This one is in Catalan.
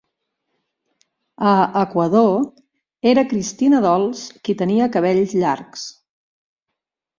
A Ecuador, era Christina Dolls qui tenia cabells llargs.